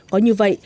có như vậy